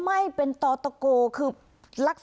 อันดับที่สุดท้าย